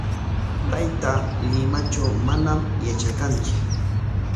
Taytaa Limatraw manam yatrakantsu.